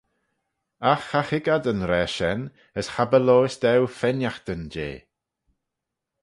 Agh cha hoig ad yn raa shen, as cha by-lhoys daue fenaghtyn jeh.